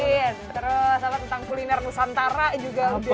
terus tentang kuliner nusantara juga udah bikin